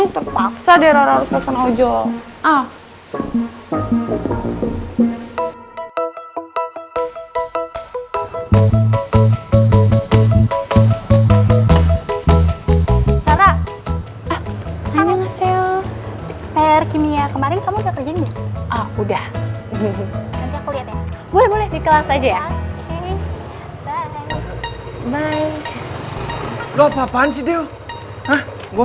terpaksa deh rara harus kesana ujol